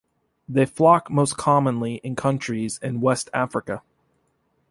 They flock most commonly in countries in West Africa.